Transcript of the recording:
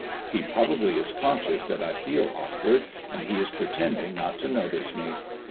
He probably is conscious that I feel awk ward, and he is pretending not to notice me.